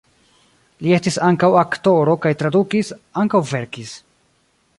Li estis ankaŭ aktoro kaj tradukis, ankaŭ verkis.